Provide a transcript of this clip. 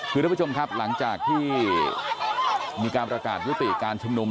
คือทุกผู้ชมครับหลังจากที่มีการประกาศยุติการชุมนุม